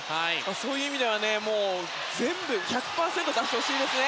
そういう意味では全部１００％出してほしいですね。